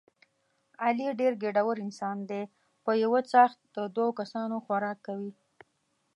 علي ډېر ګېډور انسان دی په یوه څاښت د دوه کسانو خوراک کوي.